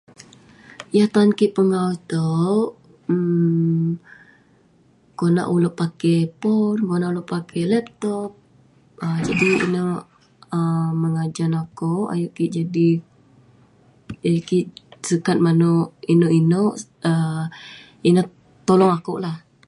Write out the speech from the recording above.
Yah tan kik pengawu itouk, um konak ulouk pakey pon..konak ulouk pakey laptop, jadi ineh mengajan akouk ayuk kik jadi..ayuk kik sukat manouk inouk inouk um ineh tolong akouk lah.